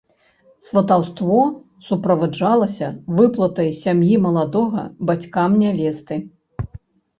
Сватаўство суправаджалася выплатай сям'і маладога бацькам нявесты.